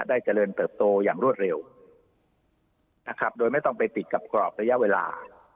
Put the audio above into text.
เจริญเติบโตอย่างรวดเร็วนะครับโดยไม่ต้องไปติดกับกรอบระยะเวลา